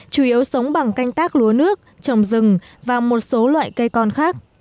chủ yếu sống bằng canh tác lúa nước trồng rừng và một số loại cây con khác